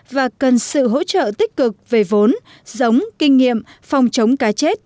và cần sự hỗ trợ tích cực về vốn giống kinh nghiệm phòng chống cá chết